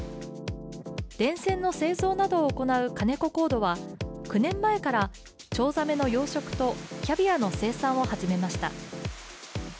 電線の製造などを行う金子コードは、９年前からチョウザメの養殖とキャビアの生産を始めました。